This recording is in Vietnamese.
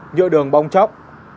nhựa đường bong chóc